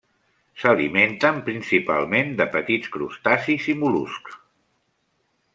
S'alimenten principalment de petits crustacis i mol·luscs.